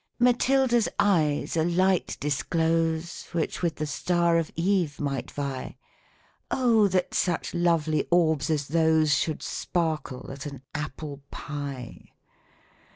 " Matilda's eyes a light disclose. Which with the star of Eve might vie ; Oh ! that such lovely orbs as those Should sparkle at an apple pie